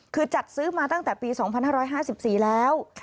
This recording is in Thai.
คือจัดซื้อมาตั้งแต่ปี๒๕๕๔แล้ว